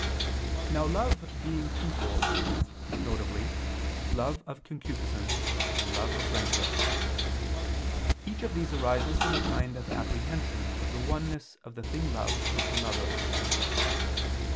Now love being twofold, viz. love of concupiscence and love of friendship; each of these arises from a kind of apprehension of the oneness of the thing loved with the lover.